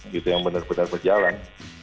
gitu yang benar benar berjalan